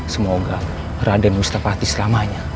semoga raden wustafati selamanya